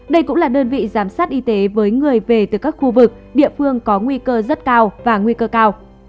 đây cũng là đơn vị giám sát y tế với người về từ các khu vực địa phương có nguy cơ rất cao và nguy cơ cao